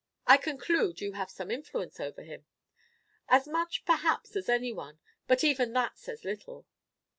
I conclude you have some influence over him?" "As much, perhaps, as any one; but even that says little."